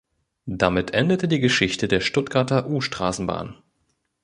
Damit endete die Geschichte der Stuttgarter U-Straßenbahn.